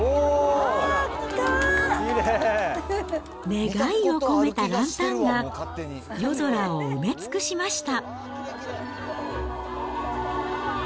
願いを込めたランタンが、夜空を埋め尽くしました。